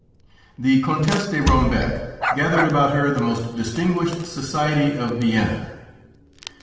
The Countess de Rombec gathered about her the most distinguished society of Vienna.